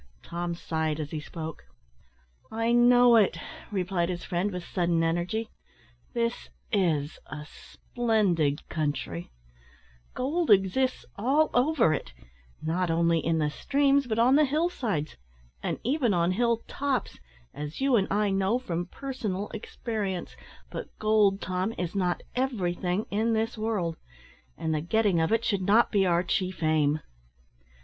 Tom sighed as he spoke. "I know it," replied his friend, with sadden energy. "This is a splendid country; gold exists all over it not only in the streams, but on the hill sides, and even on hill tops, as you and I know from personal experience but gold, Tom, is not everything in this world, and the getting of it should not be our chief aim.